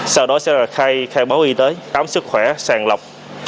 sau đó sẽ là khai báo y tế ám sức khỏe sàng lọc